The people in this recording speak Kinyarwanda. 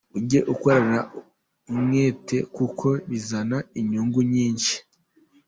Ujye ukorana umwete kuko bizana inyungu nyinshi.